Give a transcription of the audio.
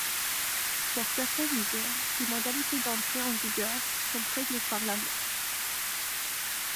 Pour certaines mesures, des modalités d’entrée en vigueur sont prévues par la loi.